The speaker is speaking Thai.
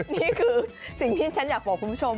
นี่คือสิ่งที่ฉันอยากบอกคุณผู้ชม